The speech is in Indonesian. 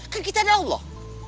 kan kita ada allah